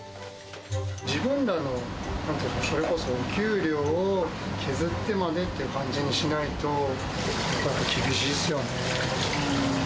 自分らのそれこそ給料を削ってまでって感じにしないと、やっぱり厳しいですよね。